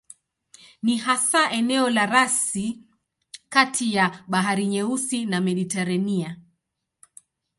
Ni hasa eneo la rasi kati ya Bahari Nyeusi na Mediteranea.